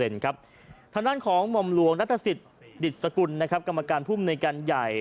ทางด้านของหม่อมรวงรัฐสิทธิ์ดิจสกรุณนะครับ